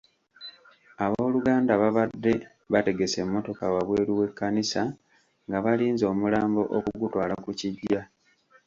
Ab'oluganda babadde bategese emmotoka wabweru w’ekkanisa nga balinze omulambo okugutwala ku kiggya.